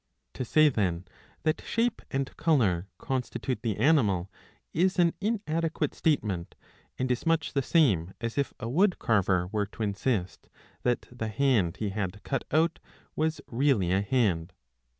To say, then, that shape and colour constitute the animal is an inadequate statement, and is much the same as if a woodcarver were to insist that the hand he had cut out was really a hand.